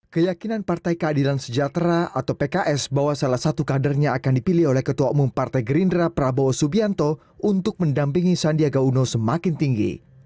keyakinan partai keadilan sejahtera atau pks bahwa salah satu kadernya akan dipilih oleh ketua umum partai gerindra prabowo subianto untuk mendampingi sandiaga uno semakin tinggi